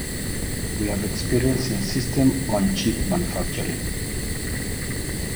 We have experience in system-on-chip manufacturing.